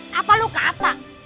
hah apa lu kata